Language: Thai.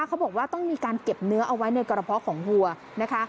เขาบอกว่าต้องมีการเก็บเนื้อเอาไว้ในกระเพาะของวัวนะคะ